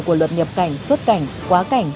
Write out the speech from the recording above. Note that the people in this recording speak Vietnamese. của luật nhập cảnh xuất cảnh quá cảnh